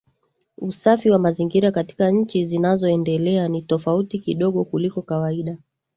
Usafi wa mazingira katika nchi zinazoendelea ni tofauti kidogo kuliko kawaida